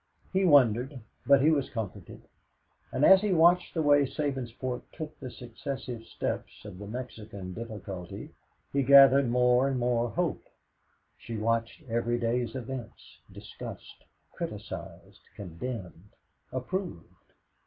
He wondered, but he was comforted; and as he watched the way Sabinsport took the successive steps of the Mexican difficulty, he gathered more and more hope. She watched every day's events, discussed, criticized, condemned, approved.